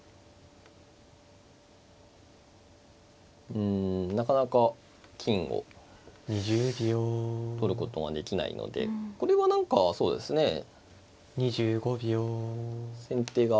うんなかなか金を取ることができないのでこれは何かそうですね先手が。